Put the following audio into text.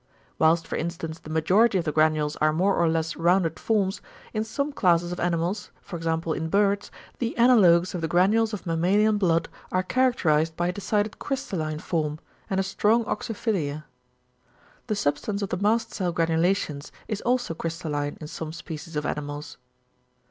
Whilst for instance the majority of the granules are more or less rounded forms, in some classes of animals, e.g. in birds, the analogues of the granules of mammalian blood are characterised by a decided crystalline form, and a strong oxyphilia. The substance of the mast cell granulations is also crystalline in some species of animals.